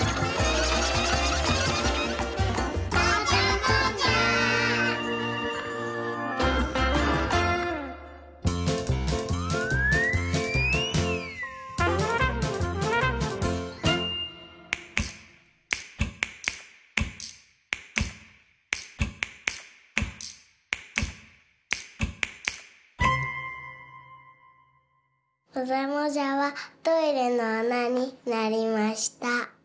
もじゃもじゃはトイレのあなになりました。